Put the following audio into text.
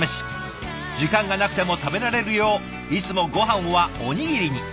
時間がなくても食べられるよういつもごはんはおにぎりに。